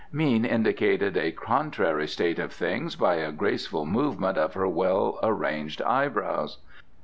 Mean indicated a contrary state of things by a graceful movement of her well arranged eyebrows.